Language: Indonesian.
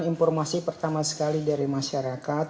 informasi pertama sekali dari masyarakat